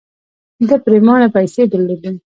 ده پرېمانه پيسې درلودې.